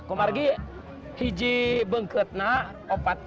kemarin ini beratnya empat kg